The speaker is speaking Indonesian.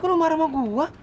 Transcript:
kok lo marah sama gua